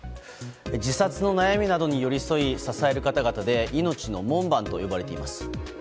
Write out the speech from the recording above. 自殺の悩みなどに寄り添い支える方々で命の門番と呼ばれています。